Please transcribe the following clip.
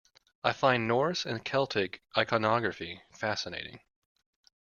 I find Norse and Celtic iconography fascinating.